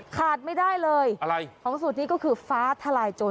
ขาดไม่ได้เลยอะไรของสูตรนี้ก็คือฟ้าทลายโจร